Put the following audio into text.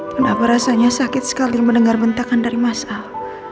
kenapa rasanya sakit sekali mendengar bentakan dari mas al